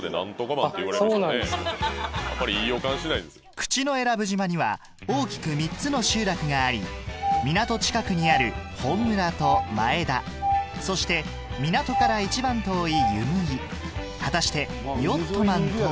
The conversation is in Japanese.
口永良部島には大きく３つの集落があり港近くにある本村と前田そして港から一番遠い湯向果たしてヨットマンとは？